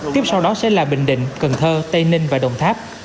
tiếp sau đó sẽ là bình định cần thơ tây ninh và đồng tháp